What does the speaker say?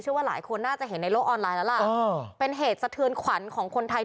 ว่าหลายคนน่าจะเห็นในโลกออนไลน์แล้วล่ะเป็นเหตุสะเทือนขวัญของคนไทย